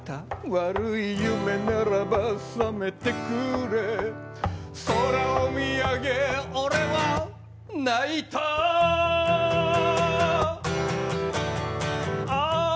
悪い夢ならばさめてくれ空を見上げ俺は泣いたああ